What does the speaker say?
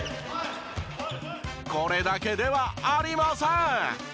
これだけではありません！